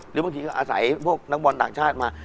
หรือบางทีก็อาศัยพวกนักบอลต่างชาติมา